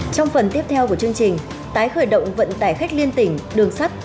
trong phần tiếp theo của chương trình tái khởi động vận tải khách liên tỉnh đường sắt